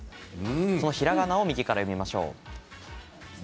そのひらがなを右から読みましょう。